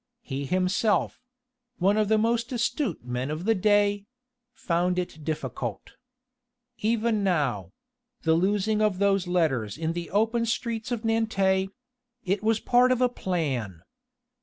He himself one of the most astute men of the day found it difficult. Even now the losing of those letters in the open streets of Nantes it was part of a plan.